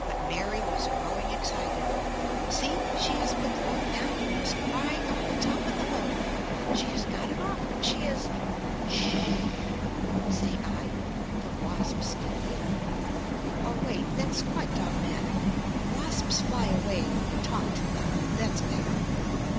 But Mary was growing excited. "See, she has put the worm down and is prying up the top of the hole. She has got it off. She is " "Ss h," say I, for wasps can hear. Or, wait; that's quite dogmatic. Wasps fly away when you talk too loud. That's better.